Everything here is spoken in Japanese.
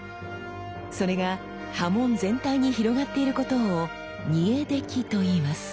それが刃文全体に広がっていることを「沸出来」といいます。